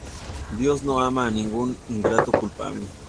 Dios no ama a ningún ingrato culpable.